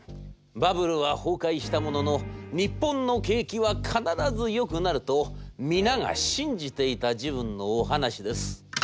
バブルは崩壊したものの日本の景気は必ずよくなると皆が信じていた時分のお話です。